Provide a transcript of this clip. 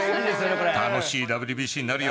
楽しいＷＢＣになるよ。